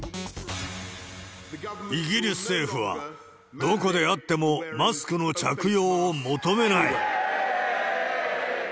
イギリス政府は、どこであってもマスクの着用を求めない。